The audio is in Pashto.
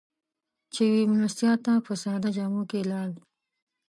چې يوې مېلمستیا ته په ساده جامو کې لاړ.